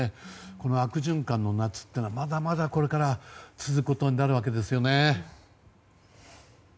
この悪循環の夏というのはまだまだ、これから続くことになるわけですよね。